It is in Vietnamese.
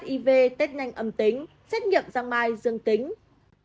hiv test nhanh âm tính xét nghiệm giang mai dương tính